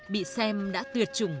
bị xem đã tuyệt chủng